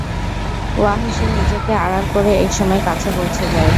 ওয়াহশী নিজেকে আড়াল করে এক সময় কাছে পৌঁছে যায়।